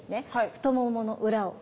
太ももの裏を。